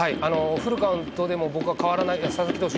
フルカウントでも僕は変わらないで、佐々木投手